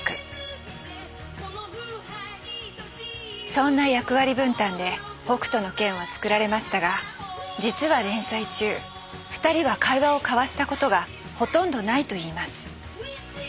そんな役割分担で「北斗の拳」は作られましたが実は連載中２人は会話を交わしたことがほとんどないと言います。